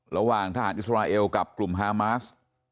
ระหว่างทหารอิสราเอลกับกลุ่มฮามาส